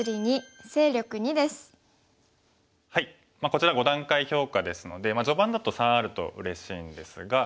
こちら５段階評価ですので序盤だと３あるとうれしいんですが。